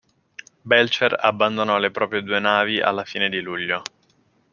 Belcher abbandonò le proprie due navi alla fine di luglio.